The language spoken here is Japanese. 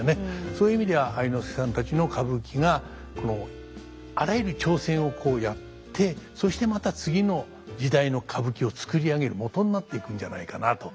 そういう意味では愛之助さんたちの歌舞伎がこのあらゆる挑戦をやってそしてまた次の時代の歌舞伎を作り上げるもとになっていくんじゃないかなと。